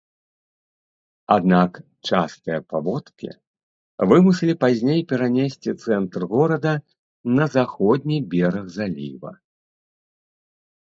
Аднак частыя паводкі вымусілі пазней перанесці цэнтр горада на заходні бераг заліва.